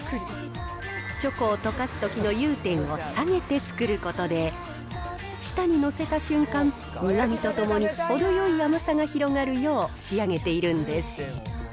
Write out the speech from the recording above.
チョコを溶かすときの融点を下げて作ることで、下に載せた瞬間、苦みとともに、程よい甘さが広がるよう仕上げているんです。